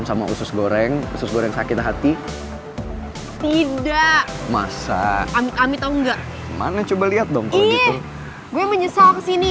sampai jumpa di video selanjutnya